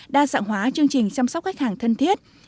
đa dạng hóa chương trình chăm sóc khách hàng thân thiết